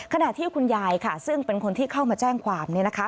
ขณะที่คุณยายค่ะซึ่งเป็นคนที่เข้ามาแจ้งความเนี่ยนะคะ